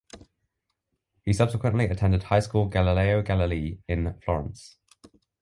He subsequently attended high school Galileo Galilei in Florence.